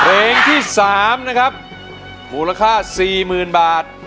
เพลงที่๓นะครับมูลค่า๔๐๐๐บาท